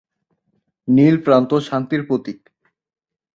নীল প্রান্ত শান্তির প্রতীক।